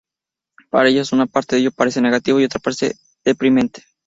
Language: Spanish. Para ellas una parte de ello parece negativo y otra parece deprimente.